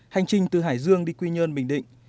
hành trình từ hải dương đi quy nhơn bình định